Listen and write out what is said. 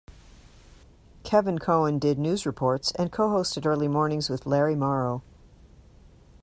Kevin Coan did news reports and co-hosted early mornings with Larry Morrow.